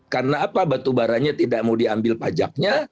karena apa batubaranya tidak mau diambil pajaknya